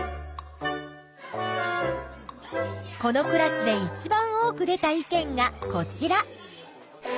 このクラスでいちばん多く出た意見がこちら。